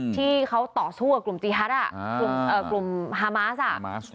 ที่เขาต่อสู้กับกลุ่มจีฮัทกลุ่มฮามาสอ่ะ